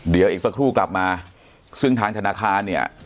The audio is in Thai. เดี๋ยวอีกสักครู่กลับมาซึ่งทางธนาคารเนี่ย